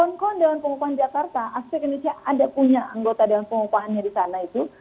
kawan kawan dewan pengupahan jakarta aspek indonesia ada punya anggota dewan pengupahannya di sana itu